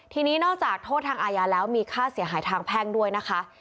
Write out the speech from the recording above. ทีนี้นอกจากโทษทางอาญาแล้วมีค่าเสียหายทางแพ่งด้วยนะคะ